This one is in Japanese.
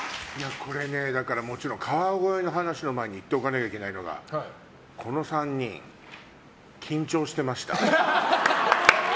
これね、もちろん川越の話の前に言っておかなきゃいけないのがこの３人、緊張してました。